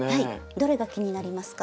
どれが気になりますか？